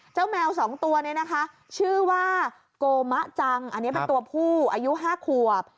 แมว๒ตัวนี้นะคะชื่อว่าโกมะจังอันนี้เป็นตัวผู้อายุ๕ขวบ